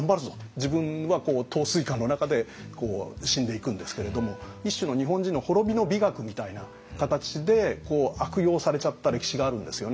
自分は陶酔下の中で死んでいくんですけれども一種の日本人の滅びの美学みたいな形で悪用されちゃった歴史があるんですよね。